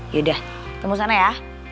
yaudah ketemu sana ya